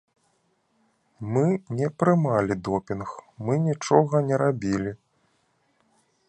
Мы не прымалі допінг, мы нічога не рабілі.